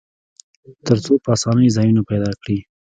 تر څو په آسانۍ ځایونه پیدا کړي.